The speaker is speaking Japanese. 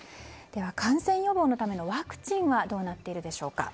感染予防のためのワクチンはどうなっているでしょうか。